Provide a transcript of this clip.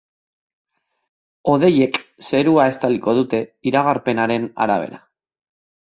Hodeiek zerua estaliko dute iragarpenaren arabera.